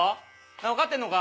分かってんのか？